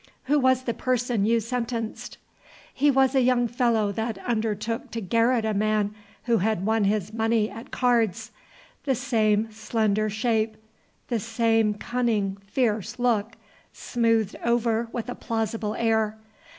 "Who was the person you sentenced?" "He was a young fellow that undertook to garrote a man who had won his money at cards. The same slender shape, the same cunning, fierce look, smoothed over with a plausible air.